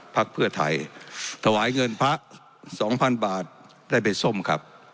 พักเพื่อไทยถวายเงินพระ๒๐๐๐บาทได้ไปส้มครับ